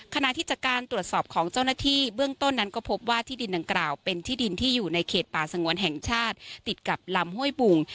ขณะที่จากการตรวจสอบของเจ้าหน้าที่เบื้องต้นนั้นก็พบว่าที่ดินดังกล่าวเป็นที่ดินที่อยู่ในเขตป่าสงวนแห่งชาติติดกับลำห้วยบุง